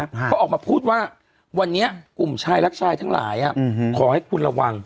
เขาออกมาพูดว่าวันนี้กลุ่มชายรักชายทั้งหลายขอให้คุณระวัง